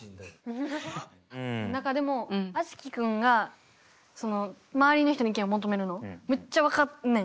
何かでもあつき君がその周りの人に意見を求めるのむっちゃ分かんねん。